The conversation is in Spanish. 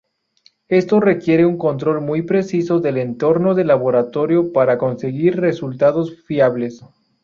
Esto requiere un control muy preciso del entorno de laboratorio para conseguir resultados fiables.